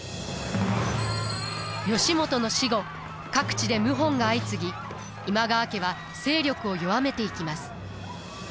義元の死後各地で謀反が相次ぎ今川家は勢力を弱めていきます。